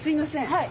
はい。